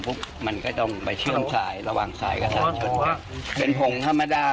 ปุ๊บมันก็ต้องไปชื่นสายระวังสายกระสาทเป็นผงธรรมดา